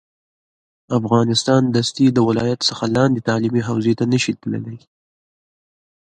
افغانستان دستي د ولایت څخه لاندې تعلیمي حوزې ته نه شي تللی